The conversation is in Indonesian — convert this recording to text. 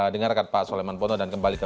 dengarkan pak soleman pono dan kembali ke